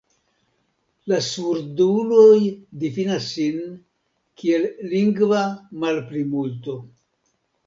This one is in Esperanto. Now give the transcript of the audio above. La surduloj difinas sin kiel lingva malplimulto.